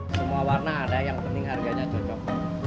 semua warna ada yang penting harganya cocok